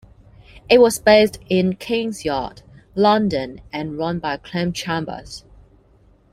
It was based in King's Yard, London and run by Clem Chambers.